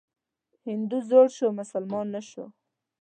هندو زوړ شو مسلمان نه شو.